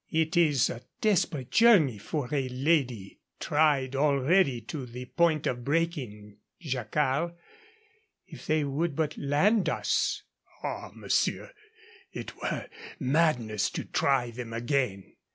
"It is a desperate journey for a lady tried already to the point of breaking, Jacquard. If they would but land us " "Ah, monsieur. It were madness to try them again.